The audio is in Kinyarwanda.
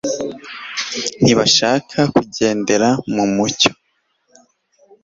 ntibashaka kugendera mu mucyo